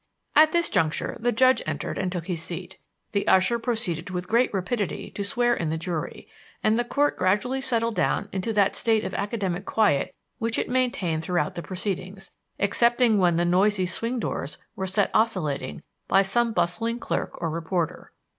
At this juncture the judge entered and took his seat; the usher proceeded with great rapidity to swear in the jury, and the Court gradually settled down into that state of academic quiet which it maintained throughout the proceedings, excepting when the noisy swing doors were set oscillating by some bustling clerk or reporter.